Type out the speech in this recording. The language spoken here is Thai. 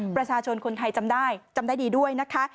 ประชาชนคนไทยจำได้จำได้ดีด้วยนะคะ